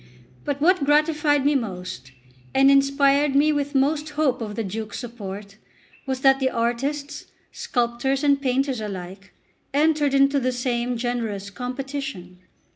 But what gratified me most, and inspired me with most hope of the Duke's support, was that the artists, sculptors and painters alike, entered into the same generous competition.